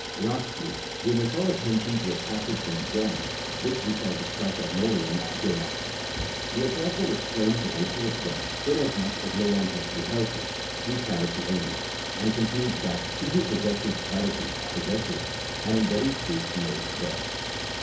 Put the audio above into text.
Lastly, we may call attention to a passage in John which we shall discuss at more length hereafter ; the Apostle explains the nature of God (inasmuch as no one has beheld Him) through charity only, and concludes that he who possesses charity possesses, and in very truth knows God.